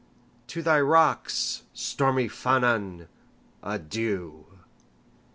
To thy rocks, stormy Llannon, adieu!